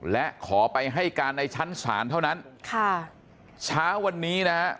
และขอไปให้การในชั้นศาลเท่านั้นค่ะเช้าวันนี้นะฮะ